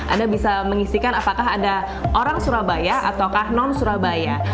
anda bisa mengisikan apakah ada orang surabaya ataukah non surabaya